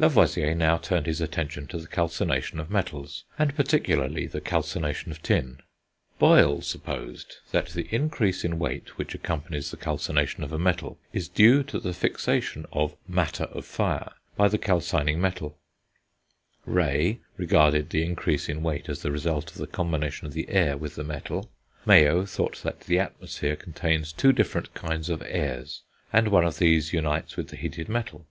Lavoisier now turned his attention to the calcination of metals, and particularly the calcination of tin. Boyle supposed that the increase in weight which accompanies the calcination of a metal is due to the fixation of "matter of fire" by the calcining metal; Rey regarded the increase in weight as the result of the combination of the air with the metal; Mayow thought that the atmosphere contains two different kinds of "airs," and one of these unites with the heated metal.